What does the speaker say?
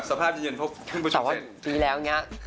จารย์มโชคดีครับ